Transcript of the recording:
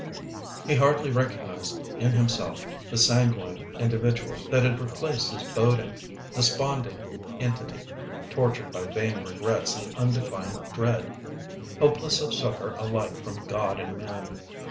He hardly recognised in himself the sanguine individual that had replaced his boding, desponding entity, tortured by vain regrets and undefined dread; hopeless of succour alike from God and man!